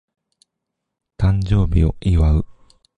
誕生日を祝う